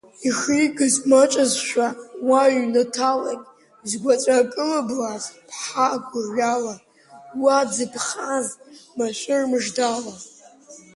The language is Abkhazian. Ихигаз маҷызшәа уа ҩнаҭалагь, згәаҵәа кылыблааз ԥҳа гәырҩала, уа дзыԥхаз машәыр мыждала!